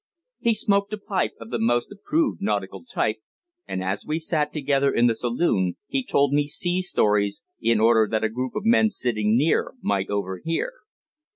He smoked a pipe of the most approved nautical type, and as we sat together in the saloon he told me sea stories, in order that a group of men sitting near might overhear.